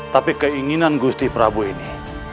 tapi keinginan gusti prabu ini